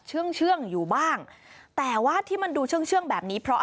เชื่องเชื่องอยู่บ้างแต่ว่าที่มันดูเชื่องเชื่องแบบนี้เพราะ